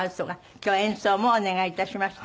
今日は演奏もお願い致しました。